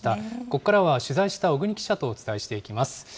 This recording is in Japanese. ここからは取材した小國記者とお伝えしていきます。